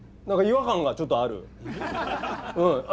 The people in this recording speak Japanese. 違和感がちょっとある。